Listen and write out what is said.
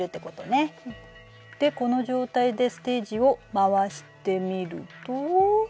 この状態でステージを回してみると。